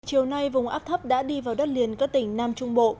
chiều nay vùng áp thấp đã đi vào đất liền các tỉnh nam trung bộ